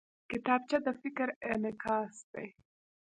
کتابچه د فکر انعکاس دی